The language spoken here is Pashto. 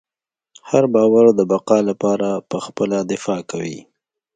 هر باور د بقا لپاره پخپله دفاع کوي.